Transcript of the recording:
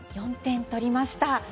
４点取りました。